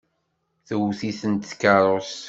Tewwet-itent tkeṛṛust.